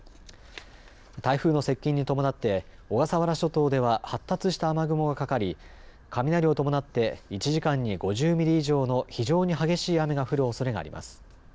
台風の接近に伴って小笠原諸島では発達した雨雲がかかり雷を伴って１時間に５０ミリ以上の非常に激しい雨が降るおそれがあります。